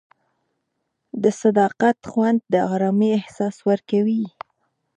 د صداقت خوند د ارامۍ احساس ورکوي.